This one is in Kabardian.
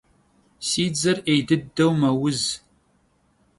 Si dzer 'êy dıdeu meuz.